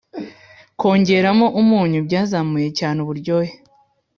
[kwongeramo umunyu byazamuye cyane uburyohe.